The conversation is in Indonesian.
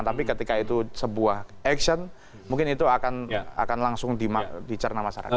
tapi ketika itu sebuah action mungkin itu akan langsung dicerna masyarakat